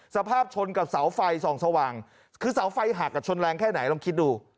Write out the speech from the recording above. สภาพชนกับเสาไฟส่องสว่างคือเสาไฟหักชนแรงแค่ไหนลองคิดดู